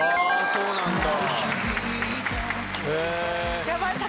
そうなんだ。